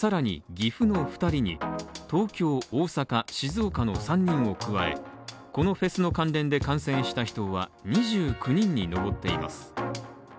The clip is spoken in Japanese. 岐阜の二人に東京、大阪、静岡の３人を加えこのフェスの関連で感染した人は２９人に上っています